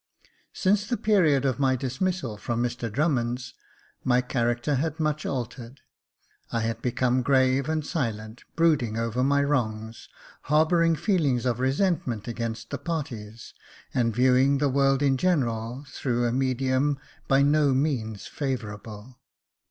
Since the period of my dismissal from Mr Drummond's my character had much altered. I had become grave and silent, brooding over my wrongs, harbouring feelings of resentment against the parties, and viewing the world in general through a medium by no means favourable.